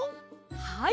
はい。